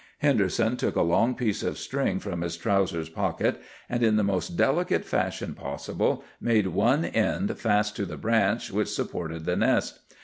Henderson took a long piece of string from his trousers pocket, and in the most delicate fashion possible made one end fast to the branch which supported the nest.